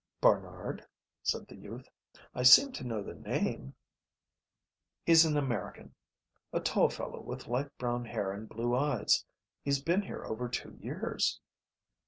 "Barnard?" said the youth. "I seem to know the name." "He's an American. A tall fellow with light brown hair and blue eyes. He's been here over two years."